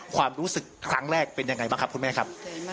ความรู้สึกครั้งแรกเป็นยังไงบ้างครับคุณแม่ครับ